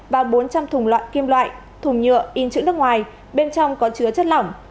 và bốn trăm linh thùng loại kim loại thùng nhựa in chữ nước ngoài bên trong có chứa chất lỏng